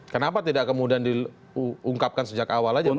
kenapa tidak kemudian diungkapkan sejak awal aja pak